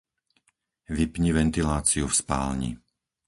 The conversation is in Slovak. Vypni ventiláciu v spálni.